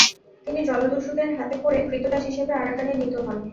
তিনি জলদস্যুদের হাতে পরে ক্রীতদাস হিসাবে আরাকানে নীত হন।